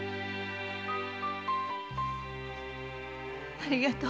〔ありがとう〕